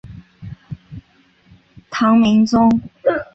唐明宗